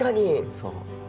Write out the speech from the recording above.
そう。